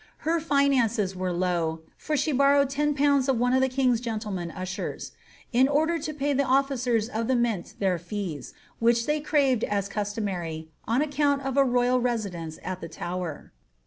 Her finances were low, for she borrowed 10/. of one of the king's gentle men ushers, in order to pay the officers of the Mint their fees, which they craved as customary, on account of a royal residence at the Tower.